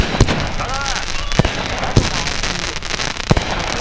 「架川！」